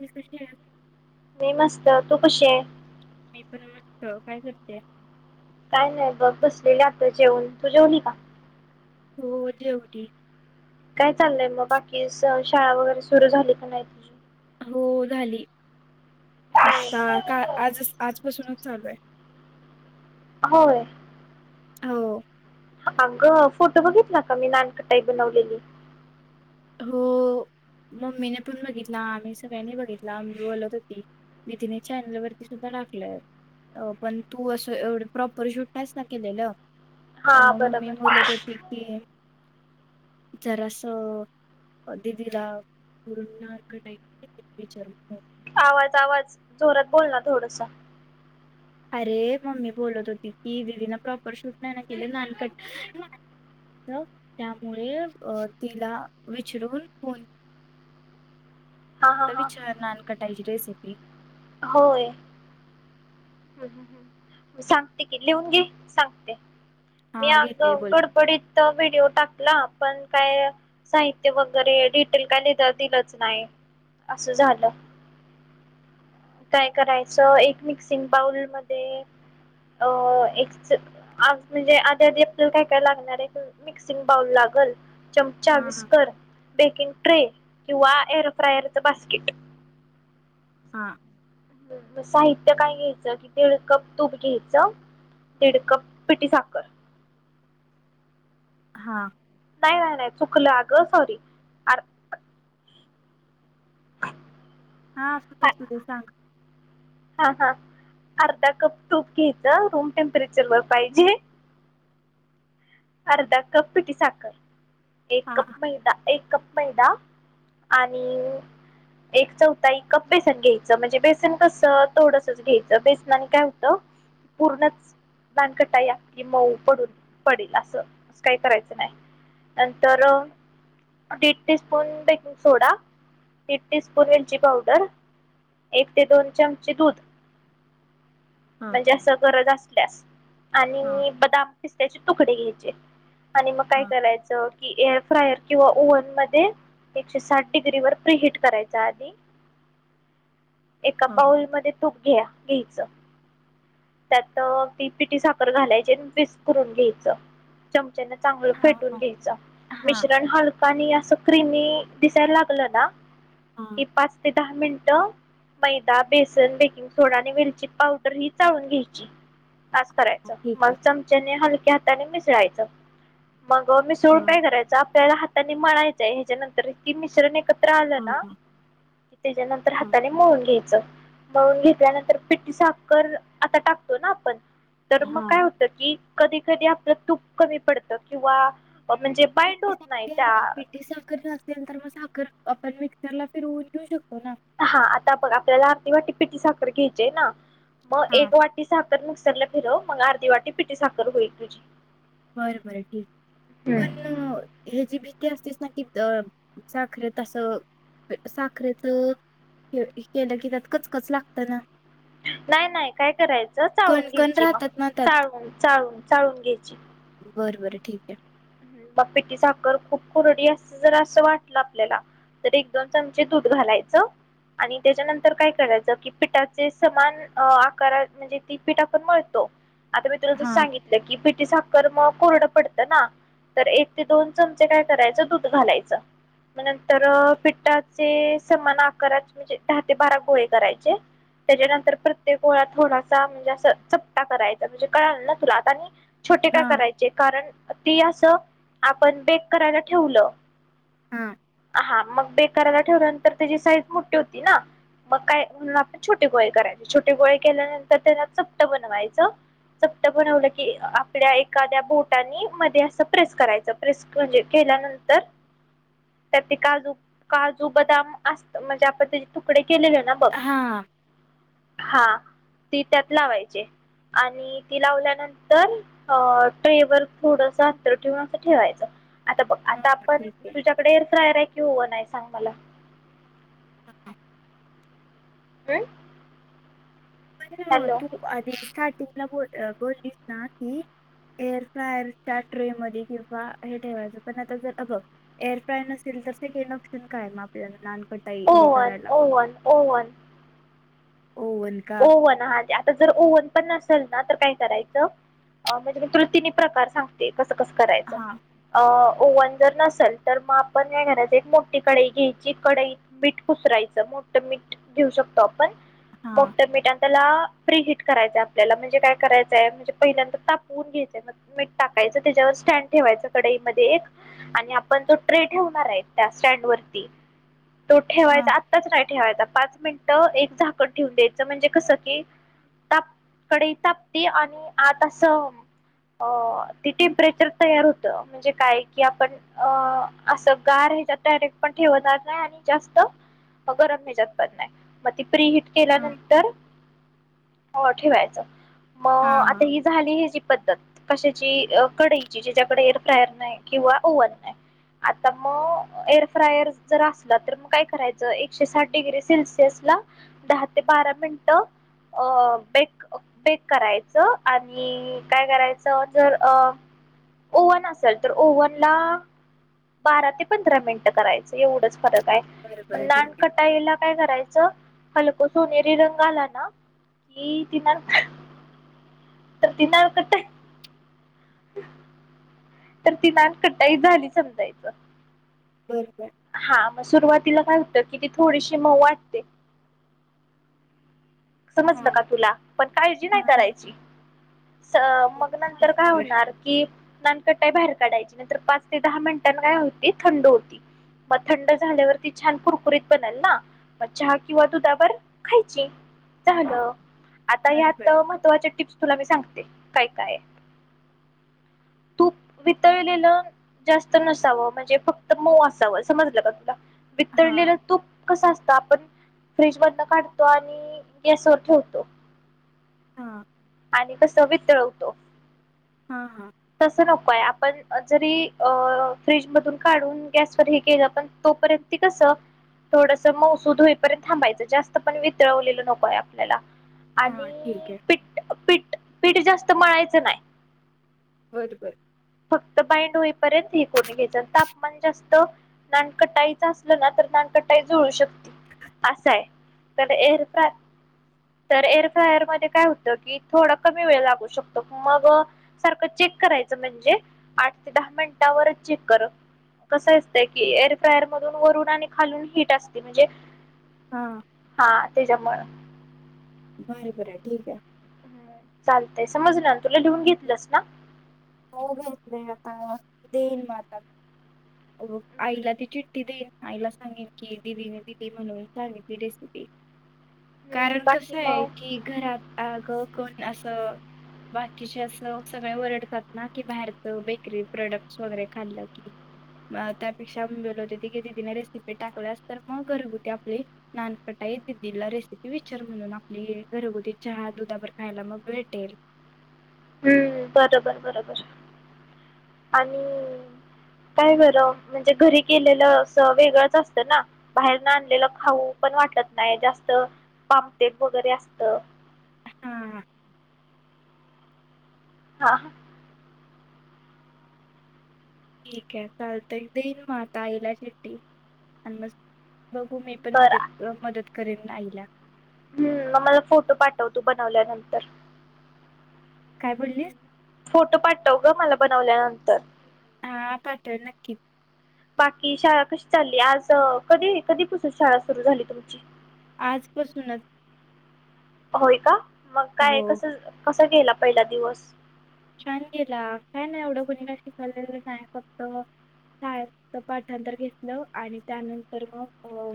ह सृष्टी मी मस्त तू कशी आहेस. मी पन मस्त काय करते. काय नाही बघ बसलेले आता जेवण तू जेवली का. हो जेवली. काय चाललंय मग बाकी शाळा वगैरे सुरू झाली, का नाही. हो झाली. आता हम का आजच पांच पासूनच चालू आहे. होय. हो. अगं फोटो बघितला का? मी नानकटाई बनवलेली. हो मम्मीने पण बघितला. आम्ही सगळ्यांनी बघितला मी बोलत होती. वितीने चॅनल वरती सुद्धा टाकलय. अ पण तू असं एवढं प्रॉपर शूटच नाहीच ना केलेलं. हा मग मी बरोबर बोलत होती की जरा असं दीदीला पूरणार कानाही [inaudible] आवाज आवाज जोरात बोल ना थोडस. अरे मम्मी बोलत होती की दिदी ला प्रॉपर शूट नाही ना केले नानकट त्यामुळे अ तिला विचरून फोन हा हा त हा विचार णानकटायची रेसिपी. होय. हम् हम हम्. सांगते की लिहून घे सांगते मी हा अग घेते बोल गड बडीत त व्हिडिओ टाकला पण काय साहित्य वगैरे डिटेल काय दिलंच नाही असं झालं. काय करायचं एक मिक्सिंग बाऊल मध्ये अ एकच आज म्हणजे आधी आधी आपल्याला काय काय लागणार आहे मिक्सिंग बाऊल लागल. चमचा हा हा विस्कर बेकिंग ट्रे किंवा एअर फ्रायरचं बास्किट. हा. साहित्य काय घ्यायचं कितीड कप तूप घ्यायचं. दीड कप पिटी साखर. हा. नाही नाही नाही चुकलं अ ग सॉरी, हा असू दे असू दे सांग. हा हा अर्धा कप तूप घ्यायचं रूम टेम्परेचर वर पाहिजे. अर्धा कप पिटी साखर एक हा कप हा मैदा एक कप, मैदा आणि, एक चौथा एक कप बेसन घ्यायचं म्हणजे बेसन कसं थोडसच घ्यायचं बेसनाने काय होतं. पूर्णच नानकटा या कि मऊ पडून पडेल असं अस काही करायचं नाही नंतर दीड टी स्पून बेकिंग सोडा दीड टी स्पून मिरची पावडर. एक ते दोन चमचे दूध. हा म्हणजे अस गरज असल्यास हा आणि बदाम फिस््याची तुकडे घ्यायचे आणि मग काय हा करायचं. कि एअर फ्रायर किंवा ओव्हन मध्ये एकशे साठ डिग्री वर प्रिहीट करायचा आधी. एका बाऊलमध्येध्ये तूप घ्या घ्यायचं. त्यात ती पिटी साखर घालायची आण मिक्स करून घ्यायचं. चमच्याना चांगलं हा फेटून हा घ्यायच हा मिश्रण हल आणि असं क्रीम दिसायला लागलं ना हा कि पाच ते दहा मिनिटं मैदा बेसन बेकिंग सोडा आणि वलची पावडर ही चाळून घ्यायची तास करायच ठीक मग आहे चमच्याने हलक्या हाताने मिसळायचं. मग मिसळून हा काय करायचं आपल्याला हाताने म्हणायचंय ह्याच्यानंतर की मिश्रण एकत ्र आलं ना हा की त्याच्यानंतर हाताने मोळून घ्यायचं मळून घेतल्यानंतर पिटी साकर आता टाकतो ना आपण तर हा मग हा काय होत की कधी कधी आपलं तूप कमी पडतं किंवा म्हणजे बाईंड पीटी होत नाही त्या साखर पीटी साखर घाल असल तर मग साखर आपण मिक्सरला फिरवून येेऊ शकतो ना. हा आता बघ आपल्याला अर्धी वाटी पिटी साखर घ्यायचेय ना मग हा एक वाट पिटी साखर नुकसरला फिरव मग अर्धी वाटी पिटी साखर होईल तुझी. बरं बरं ठीक हम्म पण, ह्याची भिकती असतेस ना की साखरे तसं साखरेचं केलं की त्यात कचकच लागतं ना. नाही नाही काय करायचं चाळून कणकण घ्यायची मग राहतात ना त्यात चाळून चाळून चाळून घ्यायची. बरं बर ठीक आहे म पितीी साखर खूप कुरडी अस जरा असं वाटलं आपल्याला तर एक दोन चमचे दूध घालायचं आणि त्याच्यानंतर काय करायचं कि पिठाचे समान आकार म्हणजे ती पी टाकण मळतो आता मी तुन जं हा सांगितलं की बिटी सा हकरर् म कोरडं पडतं ना तर एक ते दोन चमचे काय करायचं दूध घालायचं म नंतर पिठाचे समान आकाराचे म्हणजे दहा ते बारा गोहे करायचे त्याच्यानंतर प्रत्येक ोळा थोडासा म्हणजे असं चपटा करायचा म्हणजे कळाल ना तुला आता आणि छोटे काय हा करायचे कारण ती असं आपण बेक करायला ठेवलं हा हा मग बे करायला ठेवल्यानंतर त्याची साईज मोठी होती ना मग काय म्हणून आपण छोटी गोळी करायची छोटी गोळी केल्यानंतर त्याना चपट बनवायचं सप्त बनवलं की आपल्या एखाद्या बोटानी मध्ये प्रेस करायचं प्रेस म्हणजे केल्यानंतर तर ते काजू काजू बदाम असत म्हणजे आपण त्याचे तुकडे केलेले ना बघ हा हा ती त्यात लावायचे आणि ती लावल्यानंतर अ ट्रेवरर थोडसा ठेवून असं ठेवायचं आता बघ आता आपण ठीक आहे. तु्याकडे एअर फ्रायर आहे कि होओन आहे सांग मला स हम पण तू आधी स्टार्टिंगला ब बोललीस ना ती एअर फायरच्या ट्रे मध्ये किंवा हे ठेवायचं पण आता जर अभघ एअर फ्राय नसेल तर स काही नऑक्शन काय मा आपल्याला नानकट का हे ओव्हन करायला ओव्हन ओव्हन ओवन का ओ आ जर ओव्हन पण नसेल ना तर काय करायचं म्हणजे मित्रो तिनही प्रकार सांग ते कसं कसं करायचं हा अ ओव्हन जर नसेल तर मग आपण या घरात एक मोठी कडाई घ्यायची कडई मीठ पुसरायचं मोठं मीठ घेऊ शकतो आपण हा मोठं मठ त्याला प्री हट करायचंय आपल्याला म्हणजे काय करायचंय म्हणजे पहिल्यांदर तापवून घ्यायचंय मीठ टाकायचं त्याच्यावर स्टँड ठेवायचं कडाईमध्येध्ये एक आणि आपण तो ट्रे ठेवणार आहे त्या स्टँड वरती तो हा ठेवायचा आत्ताच नाही ठेवायचा पाच मिनट एक झाकण ठेव द्यायच म्हणजे कस की तापकडे तापते आणि आता अस अ ती टेम्परेचर तयार होतं म्हणजे काय कि आपण अ असं गार हच्यात डायरेक्ट पण ठेवणार नाही आणि जास्त गरम हे जात नाही मग ती फ हट हा हा केल्यानंतर ठेवायचं मग आता हा ह झाली ह जी पद्धत कशाची कढईची जच्या्याकडे एअरफ्रायर नाही किंवा ओव्हन नाही आता मग एअर फ्रायर जर असला तर मग काय करायचं एकशे साठ डिग्री सेल्सि सला ते बारा मिनिटं अ बेट बेक करायचं आणि काय करायचं जर अ ओव्हन असेल तर ओव्हन ला बारा ते पंधरा मिनिटं करायचं एवढंच फरक बरं आहे बरं नान ठीक आहे कटाईला काय करायचं अस उनेरी रंग आला ना कि तिना त त नाळ कत तर ती नान कटाई झाली समजायचं बर बर हा मग सुरुवातीला काय होतं कि ती थोडीशी मऊ वाटते समज हा नका तुला पण काळजी हा नाही हा करायची मग बरं नंतर काय बरं होणार कि नानकटाई बाहेर काढायची नंतर पाच ते दहा मिनिटां काय होती थंड होती मग थंड झाल्यावरती छान कुरकुरीत बनेल ना म चहा किंवा दुधावर खायची ल आता बरं यात बरं महत्त्वाचे टिप्स तुला मी सांगते काय काय तूप वितळलेलं जास्त नसावं म्हणजे फक्त मऊ असावं समजलं का तुला हा वितळलेलं तूप कसं असतं आपण फ्रीज मधन काढतो आणि यास ठेवतो हा आणि कस वितरवतो हा हा तस नकोय आपण जरी अ फ्रीजमधून काढून गॅसवर हे केेल आपण तोपर्यंत ते कसं थोडस मसू धोईपर्यंत थांबायचं जास्त पण वितळवलेलं नकोय आपल्याला हां ठीक आणि आहे पीठ पीठ पीठ जास्त म्हळायचं नाही बरं बरं फक्त बाइड होईपर्यंत हे करून घ्यायचं तापमान जास्त नानकटाईच असलं ना तर नानकटाई जुळू शकते असाय तर एर का तर एअर फ्रायर मध्ये काय होतं की थोडा कमी वेळ लागू शकतो मग सारखं चेक करायचं म्हणजे म्हणजे आठ ते दहा मिनिटात चेक कस्स असतय की एअर फ्रायर वरून आणि खालून हीट असते म्हणजे हा. हा त्याच्यामुंळ. बर बर आहे ठीक आहे. चालतय समजल ना तुला लिऊून घेतलंस ना. हो अेन देऊन मता [unintelligible] हो आईला ती चिठ्ठी देईन आईला सांगेन की दिदीने दिली म्हणून सांगेल ती रेसिपी. ह. कारण कस आहे की घरात अग कोण असं कि असं सगळे वरडतात ना की बाहेरचं बेकरी प्रोडक्टस वगैरे खाल्लं की. म त्यापेक्षा बोल होते ती की तदीने रेसिपी टाकल्या अस तर मग गरग होती आपली. नानपटाई दिदीला रेसिपी विचार म्हणून आपली घरगुती चहा दुधाभर खायला मग भेटेल. हम्म बरोबर बरोबर आणि काय बरं म्हणजे घरी केलेलं अस वेगळंच असतं ना. बाहेरन आणलेलं खाऊ पण वाटत नाही जास्त पामथेट वगैरे असत. हा. हा ह. ठीक आहे चालत एक देईन मग आता आईला चीट्टी आणि मग बघू मी पण मद बरं मदत करेन आईला. हम्म मग मला फोटो पाठवतो बनवल्यानंतर. काय हम्म. बोललीस. फोटो पाठव ग मला बनवल्यानंतर. हा पाठवेल नक्की. बाकी शाळा कशी चालली आज कधी कधीपसून शाळा सुरू झाली तुमची. आजपसूनच. होय का मग काय हो, कस कस गेला पहिला दिवस. छान गेला काय नाही एवढं कोुणीला शिकाले नाही फक्त यचं पाठांतर घेतलं आणि त्यानंतर मग अ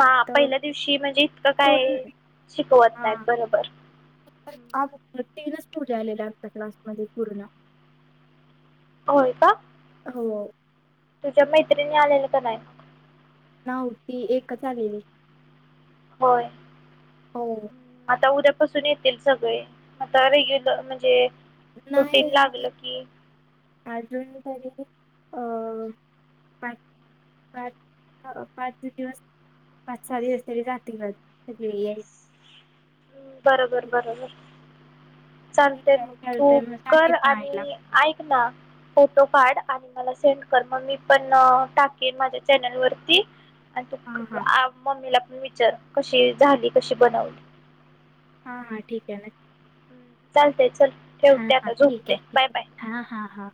हा पहिल्या दिवशी म्हणजे इतकं काय कोण शिकवत नाहीत बरोबर. हम्म. प्रत्येनच तीनच पोरी आलेला आमच्या क्लासमध्ये पूर्ण होय का. होय. तुझ्या मैत्रिणी आलेलं का नाही. हा होती एकच आलेली. होय. हो. आता उद्यापासून येतील सगळे आता रेग्युलर म्हणजे रुटीन नाही या लागलं की अजून तरी अ पाच -पाच दिवस पाच सहा दिवस तरी जातील सगळी यायला. बरोबर बरोबर चालते ठीक आहे मग तू चालतंय मग कर सांगेन मग आईला आणि ऐक. ना. फोटो काढ आणि मला सेंड कर मग मी पण टाकेन माझ्या चॅनलवरती. आणि हा तू हा मम्मीला पण विचार कशी झाली कशी बनवली. हां हां ठीक आहे नक्की. चालते चल हा ठेवते हा आता ठीक झुपते आहे ठीक बाय बाय. आहे हा हा हा